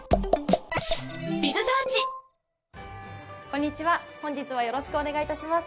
こんにちは本日はよろしくお願いいたします。